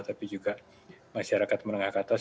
tapi juga masyarakat menengah ke atas